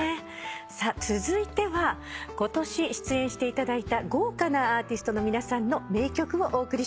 さあ続いては今年出演していただいた豪華なアーティストの皆さんの名曲をお送りします。